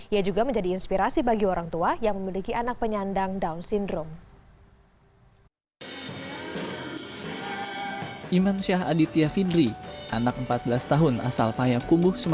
ia juga menjadi inspirasi bagi orang tua yang memiliki anak penyandang down syndrome